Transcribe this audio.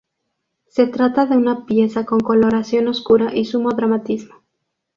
Se trata de una pieza con coloración oscura y sumo dramatismo.